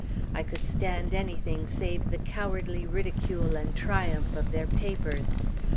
I could stand anything save the cowardly ridicule and triumph of their papers.